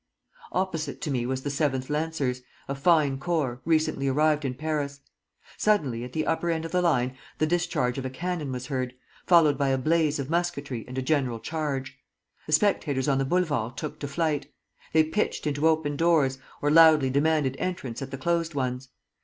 Opposite to me was the Seventh Lancers, a fine corps, recently arrived in Paris. Suddenly, at the upper end of the line, the discharge of a cannon was heard, followed by a blaze of musketry and a general charge. The spectators on the Boulevard took to flight. They pitched into open doors, or loudly demanded entrance at the closed ones.